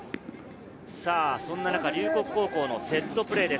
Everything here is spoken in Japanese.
龍谷高校のセットプレーです。